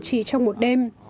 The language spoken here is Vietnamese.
chỉ trong một đêm